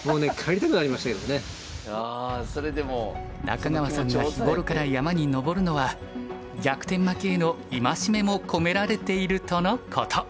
中川さんが日頃から山に登るのは逆転負けへの戒めも込められているとのこと。